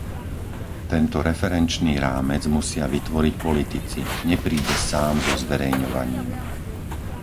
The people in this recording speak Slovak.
Tento referenčný rámec musia vytvoriť politici - nepríde sám so zverejňovaním.